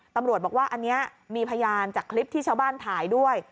ตำรวจบอกว่าอันนี้มีพยานจากคลิปที่ชาวบ้านถ่ายด้วย